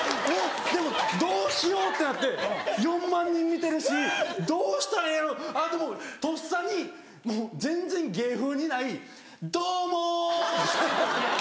でもどうしよう⁉ってなって４万人見てるしどうしたらええんやろう⁉とっさに全然芸風にない「ども！」。